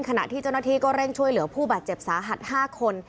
ขณะที่เจ้าหน้าที่ก็เร่งช่วยเหลือผู้บาดเจ็บสาหัส๕คน